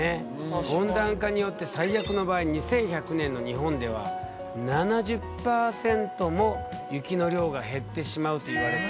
温暖化によって最悪の場合２１００年の日本では７０％も雪の量が減ってしまうといわれている。